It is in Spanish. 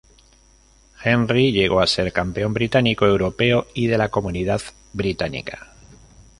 Henry llegó a ser campeón británico, europeo y de la comunidad británica.